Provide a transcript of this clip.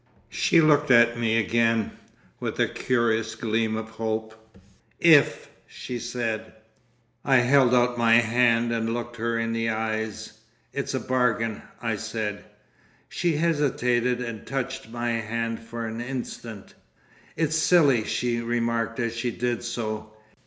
She looked at me again, with a curious gleam of hope. "If!" she said. I held out my hand and looked her in the eyes. "It's a bargain," I said. She hesitated and touched my hand for an instant. "It's silly," she remarked as she did so.